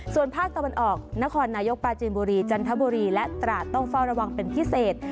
ส่วนภาคตะวันออกนครนายกปลาจีนบุรีจันทบุรีและตราดต้องเฝ้าระวังเป็นพิเศษ